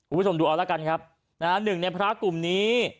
กุฎภุมดูเอาละกันครับ๑ในภรากลุ่มนี้